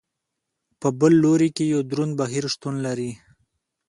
په بل لوري کې یو دروند بهیر شتون لري.